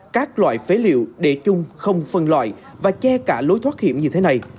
các loại phế liệu để chung không phân loại và che cả lối thoát hiểm như thế này